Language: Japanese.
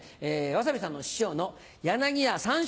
わさびさんの師匠の柳家さん